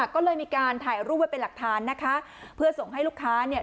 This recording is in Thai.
ก็เลยมีการถ่ายรูปไว้เป็นหลักฐานนะคะเพื่อส่งให้ลูกค้าเนี่ย